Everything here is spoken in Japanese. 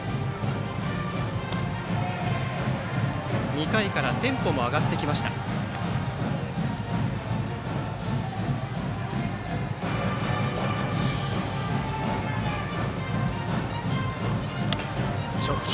２回からテンポも上がってきました、平野。